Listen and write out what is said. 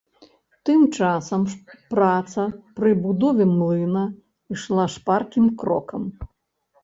Тым часам праца пры будове млына ішла шпаркім крокам.